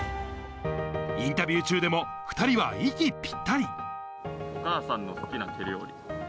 インタビュー中でも、２人は息ぴお母さんの好きな手料理。